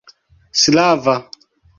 slava